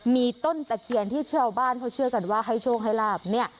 มีต้นตะเคียนที่ชาวบ้านเขาเชื่อกันว่าให้โชคให้ลาบเนี่ย